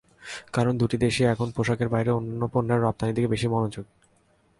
কারণ, দুটি দেশই এখন পোশাকের বাইরে অন্যান্য পণ্যের রপ্তানির দিকে বেশি মনোযোগী।